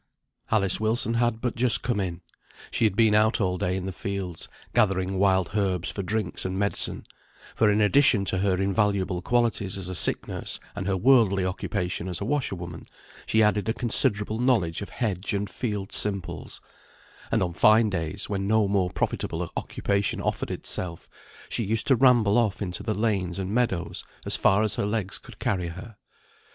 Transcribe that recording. Alice Wilson had but just come in. She had been out all day in the fields, gathering wild herbs for drinks and medicine, for in addition to her invaluable qualities as a sick nurse and her worldly occupation as a washerwoman, she added a considerable knowledge of hedge and field simples; and on fine days, when no more profitable occupation offered itself, she used to ramble off into the lanes and meadows as far as her legs could carry her.